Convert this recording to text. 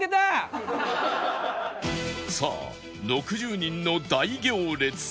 さあ６０人の大行列